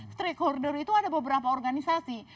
stakeholder itu ada beberapa organisasi